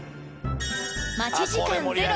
待ち時間ゼロ！